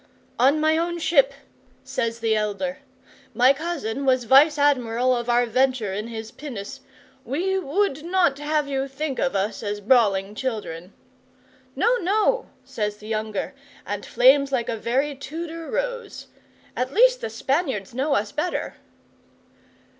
'"On my own ship," says the elder. "My cousin was vice admiral of our venture in his pinnace. We would not have you think of us as brawling children." '"No, no," says the younger, and flames like a very Tudor rose. "At least the Spaniards know us better."